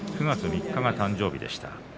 ９月３日が誕生日でした。